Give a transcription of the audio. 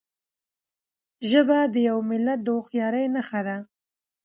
ژبه د یو ملت د هوښیارۍ نښه ده.